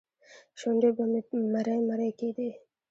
شونډې به مې مرۍ مرۍ کېدې.